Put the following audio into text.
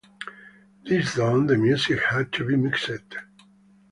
This done, the music had to be "mixed".